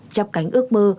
chắp cánh ước mơ